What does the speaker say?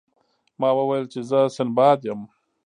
ما وویل چې زه سنباد یم.